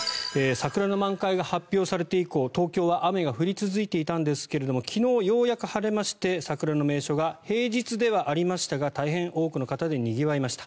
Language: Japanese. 桜の満開が発表されて以降東京は雨が降り続いていたんですが昨日、ようやく晴れまして桜の名所が平日ではありましたが大変多くの方でにぎわいました。